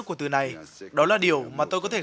của từ này đó là điều mà tôi có thể